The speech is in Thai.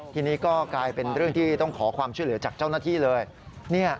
ทีนี้ก็กลายเป็นเรื่องที่ต้องขอความช่วยเหลือจากเจ้าหน้าที่เลย